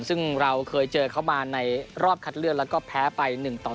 ซึ่งเราเคยเจอเขามาในรอบคัดเลือกแล้วก็แพ้ไป๑ต่อ๑